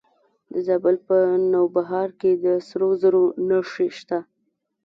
د زابل په نوبهار کې د سرو زرو نښې شته.